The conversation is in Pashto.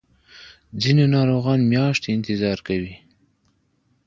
ځینې ناروغان میاشتې انتظار کوي.